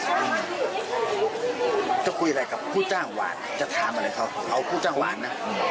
จะคุยอะไรกับผู้จ้างหวานจะถามอะไรเขาเอาผู้จ้างหวานนะ